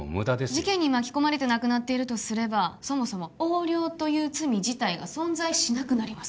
事件に巻き込まれて亡くなっているとすればそもそも横領という罪自体が存在しなくなります